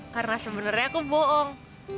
karena sebenernya aku bohong